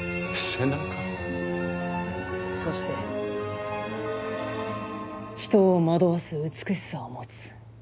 そして人を惑わす美しさを持つ。